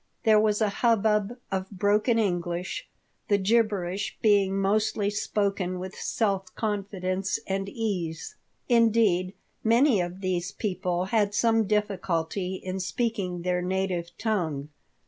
There was a hubbub of broken English, the gibberish being mostly spoken with self confidence and ease. Indeed, many of these people had some difficulty in speaking their native tongue.